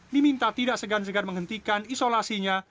diminta tidak segan segan menghentikan isolasinya